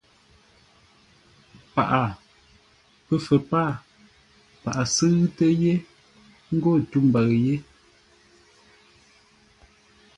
Paghʼə, Pəfə̂r pâa; paghʼə sʉ́ʉtə yé ńgó tû mbəʉ yé.